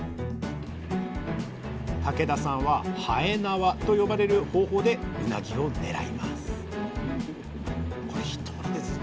竹田さんははえなわと呼ばれる方法でうなぎをねらいます